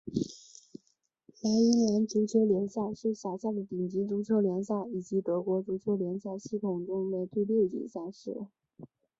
莱茵兰足球联赛是辖下的顶级足球联赛以及德国足球联赛系统中的第六级赛事。